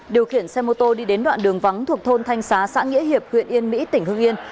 điều khiển xe mô tô đi đến đoạn đường vắng thuộc thôn thanh xá xã nghĩa hiệp huyện yên mỹ tỉnh hương yên